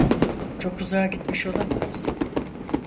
Çok uzağa gitmiş olamaz.